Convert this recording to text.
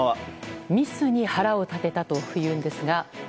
ミスに腹を立てたというんですが。